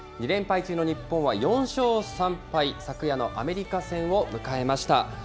２連敗中の日本は、４勝３敗、昨夜のアメリカ戦を迎えました。